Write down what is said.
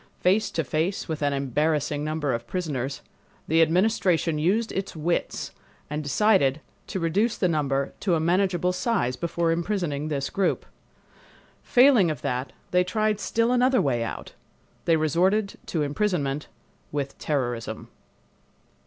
Face to face with an embarrassing number of prisoners the Administration used its wits and decided to reduce the number to a manageable size before imprisoning this group. Failing of that they tried still another way out. They resorted to imprisonment with terrorism.